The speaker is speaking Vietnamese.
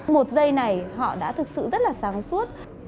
một giây này họ đã thực sự rất là sáng suốt